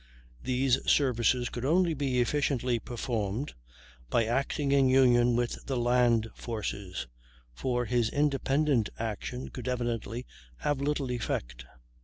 These services could only be efficiently performed by acting in union with the land forces, for his independent action could evidently have little effect.